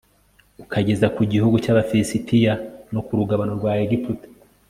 ukageza ku gihugu cy'abafilisitiya no ku rugabano rwa egiputa